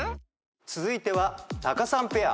続いてはタカさんペア。